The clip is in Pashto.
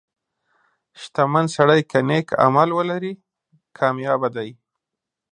• شتمن سړی که نیک عمل ولري، کامیابه دی.